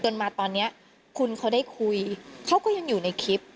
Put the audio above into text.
มาตอนนี้คุณเขาได้คุยเขาก็ยังอยู่ในคลิป